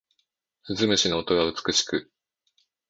鈴虫の音が美しく